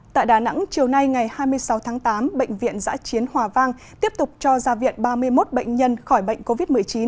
tại đà nẵng chiều nay ngày hai mươi sáu tháng tám bệnh viện giã chiến hòa vang tiếp tục cho ra viện ba mươi một bệnh nhân khỏi bệnh covid một mươi chín